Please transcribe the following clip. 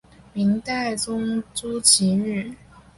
明代宗朱祁钰。